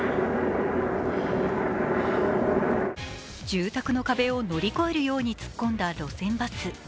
住宅の壁を乗り越えるように突っ込んだ路線バス。